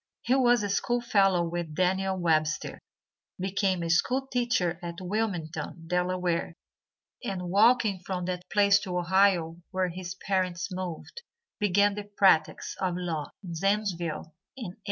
He was a school fellow with Daniel Webster, became a school teacher at Wilmington, Delaware, and walking from that place to Ohio, where his parents moved, began the practice of law in Zanesville in 1802.